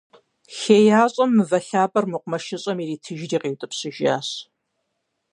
ХеящӀэм мывэ лъапӀэр мэкъумэшыщӀэм иритыжри къиутӀыпщыжащ.